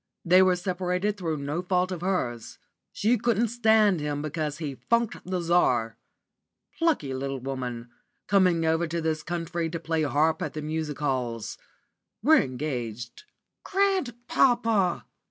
They were separated through no fault of hers. She couldn't stand him because he funked the Czar. Plucky little woman; coming over to this country to play the harp at the music halls. We're engaged." "Grandpapa!"